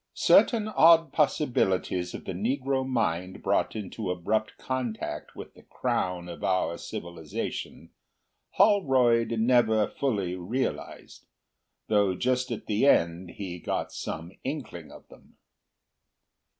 Certain odd possibilities of the negro mind brought into abrupt contact with the crown of our civilisation Holroyd never fully realised, though just at the end he got some inkling of them.